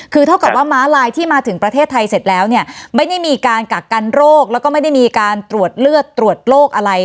คือเท่ากับว่าม้าลายที่มาถึงประเทศไทยเสร็จแล้วเนี่ยไม่ได้มีการกักกันโรคแล้วก็ไม่ได้มีการตรวจเลือดตรวจโรคอะไร